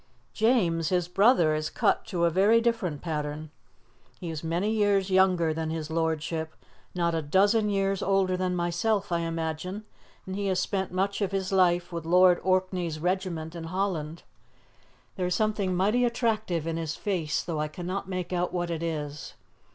"James, his brother, is cut to a very different pattern. He is many years younger than his lordship not a dozen years older than myself, I imagine and he has spent much of his life with Lord Orkney's regiment in Holland. There is something mighty attractive in his face, though I cannot make out what it is.